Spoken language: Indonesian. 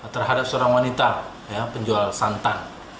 terhadap seorang wanita penjual santan